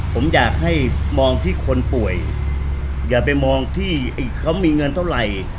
ผมอยากให้มองที่คนป่วยอย่าไปมองที่เขามีเงินเท่าไหร่